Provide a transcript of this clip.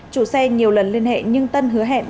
chủ xe nhiều lần liên hệ nhưng tân hứa hẹn